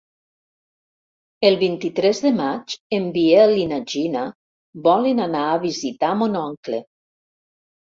El vint-i-tres de maig en Biel i na Gina volen anar a visitar mon oncle.